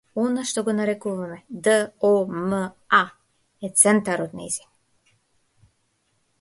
Она што го нарекуваме д о м а, е центарот нејзин.